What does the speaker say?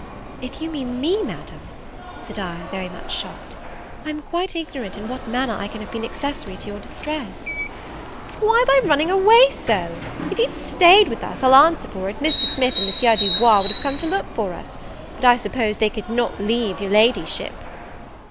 "If you mean me, Madam," said I, very much shocked, "I am quite ignorant in what manner I can have been accessary to your distress." "Why, by running away so. If you'd stayed with us, I'll answer for it Mr. Smith and M. Du Bois would have come to look for us; but I suppose they could not leave your ladyship."